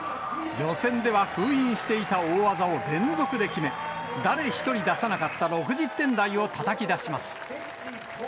予選では封印していた大技を連続で決め、誰一人出さなかった６０点台をたたき出します。